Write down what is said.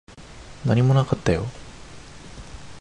何もなかったよ。